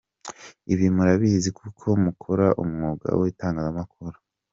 Ibi murabizi kuko mukora umwuga w’itangazamakuru.